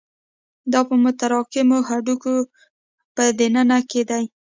دا په متراکمو هډوکو په دننه کې دي.